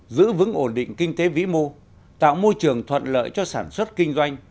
giữ vững ổn định kinh tế vĩ mô tạo môi trường thuận lợi cho sản xuất kinh doanh